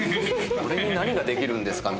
俺に何ができるんですか？